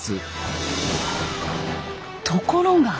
ところが。